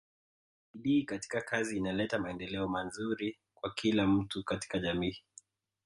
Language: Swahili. bidii katika kazi inaleta maendeleo manzuri kwa kila mtu katika jamii